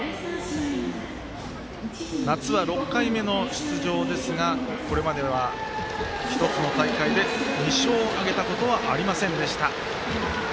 夏は６回目の出場ですがこれまでは１つの大会で２勝を挙げたことはありませんでした。